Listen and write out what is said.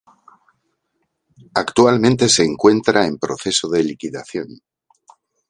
Actualmente se encuentra en proceso de liquidación.